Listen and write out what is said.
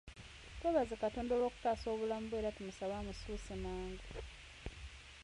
Twebaza Katonda olw’okutaasa obulamu bwe era tumusaba amussuuse mangu.